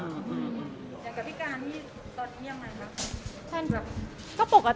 ยังพี่กานตอนที่ยังมั้ยครับ